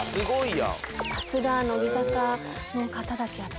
さすが乃木坂の方だけあって。